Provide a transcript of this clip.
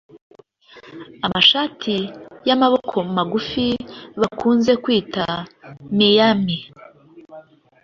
Amashati y’amaboko magufi bakunze kwita Miami